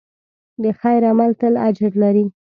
د خیر عمل تل اجر لري.